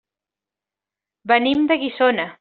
Venim de Guissona.